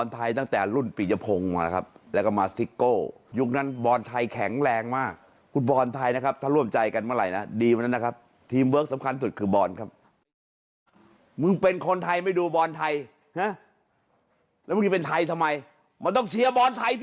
ทีมเวิร์คสำคัญสุดคือบอลครับ